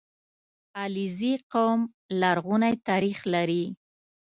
• علیزي قوم لرغونی تاریخ لري.